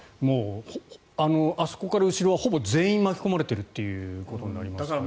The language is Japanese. あそこから後ろはほぼ全員巻き込まれているということになりますよね。